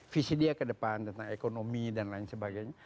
visi dia ke depan tentang ekonomi dan lain sebagainya